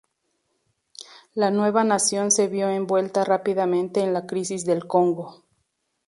La nueva nación se vio envuelta rápidamente en la Crisis del Congo.